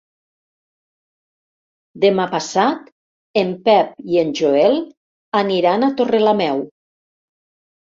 Demà passat en Pep i en Joel aniran a Torrelameu.